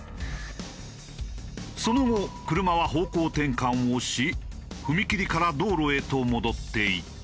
その後車は方向転換をし踏切から道路へと戻っていった。